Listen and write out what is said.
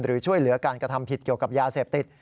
ช่วยเหลือการกระทำผิดเกี่ยวกับยาเสพติด